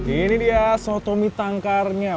ini dia soto mitangkarnya